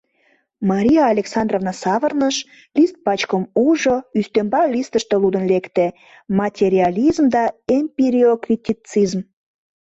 Мария Александровна савырныш, лист пачкым ужо, ӱмбал листыште лудын лекте: «Материализм да эмпириокритицизм».